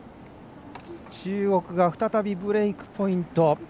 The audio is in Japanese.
中国が再びブレークポイント。